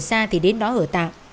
đi càng xa thì đến đó hở tạng